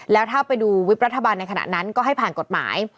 แล้วถ้าไปดูวิบรัฐบาลในขณะนั้นก็ให้ผ่านกฎหมาย